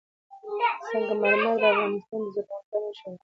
سنگ مرمر د افغانستان د زرغونتیا نښه ده.